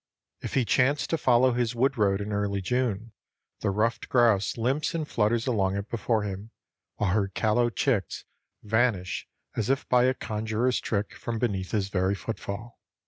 If he chance to follow his wood road in early June, the ruffed grouse limps and flutters along it before him, while her callow chicks vanish as if by a conjurer's trick from beneath his very footfall.